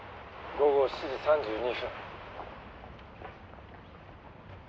「午後７時３２分」